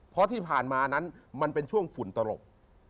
เพราะที่ผ่านมานั้นมันเป็นช่วงฝุ่นตลก